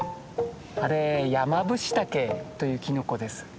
あれヤマブシタケというキノコです。